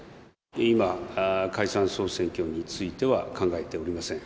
今、解散・総選挙については考えておりません。